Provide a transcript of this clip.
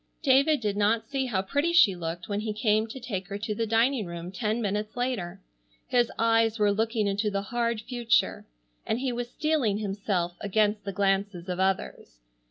David did not see how pretty she looked when he came to take her to the dining room ten minutes later. His eyes were looking into the hard future, and he was steeling himself against the glances of others.